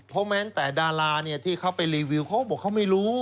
เพราะแม้แต่ดาราเนี่ยที่เขาไปรีวิวเขาก็บอกเขาไม่รู้